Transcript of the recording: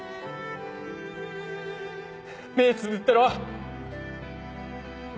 目つぶってろ！